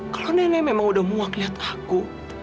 kalau nenek memang udah muak lihat aku